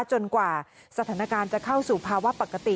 จนกว่าสถานการณ์จะเข้าสู่ภาวะปกติ